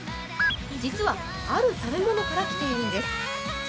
実は、ある食べ物から来ているんです。